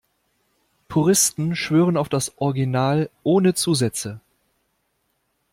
Puristen schwören auf das Original ohne Zusätze.